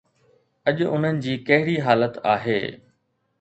اڄ انهن جي ڪهڙي حالت آهي؟